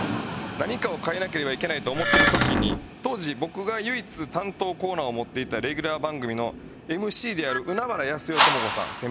何かを変えなければいけないと思ってる時に当時僕が唯一担当コーナーを持っていたレギュラー番組のＭＣである海原やすよともこさん先輩の。